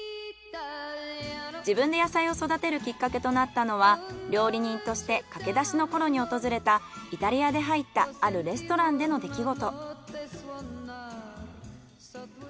自分で野菜を育てるきっかけとなったのは料理人として駆け出しの頃に訪れたイタリアで入ったあるレストランでの出来事。